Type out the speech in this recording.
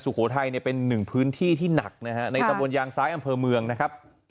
สุโขทัยเนี่ยเป็นหนึ่งพื้นที่ที่หนักนะฮะในตะบนยางซ้ายอำเภอเมืองนะครับ